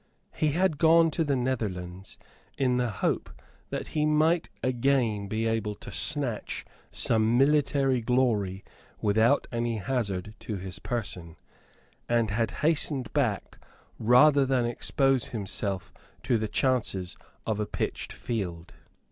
He had gone to the Netherlands in the hope that he might again be able to snatch some military glory without any hazard to his person, and had hastened back rather than expose himself to the chances of a pitched field.